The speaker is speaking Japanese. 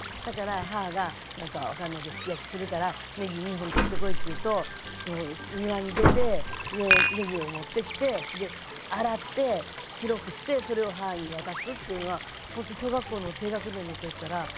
だから母がなんか分かんないけどすき焼きするからねぎ２本取ってこいって言うと庭に出てねぎを持ってきて洗って白くしてそれを母に渡すっていうのはほんと小学校の低学年の時から。